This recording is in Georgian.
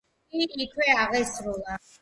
იგი იქვე აღესრულა.